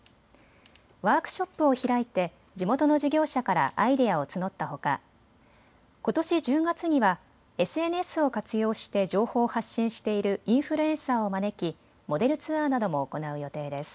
ワークショップを開いて地元の事業者からアイデアを募ったほか、ことし１０月にはＳＮＳを活用して情報を発信しているインフルエンサーを招きモデルツアーなども行う予定です。